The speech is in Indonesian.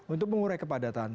untuk mengurai kepadatan